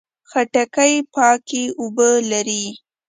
خټکی پاکه اوبه لري.